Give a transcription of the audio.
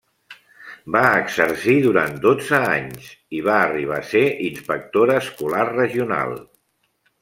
Va exercir durant dotze anys i va arribar a ser inspectora escolar regional.